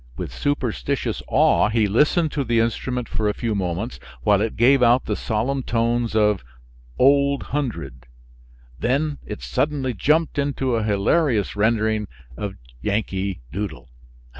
With superstitious awe he listened to the instrument for a few moments, while it gave out the solemn tones of "Old Hundred," then it suddenly jumped into a hilarious rendering of "Yankee Doodle."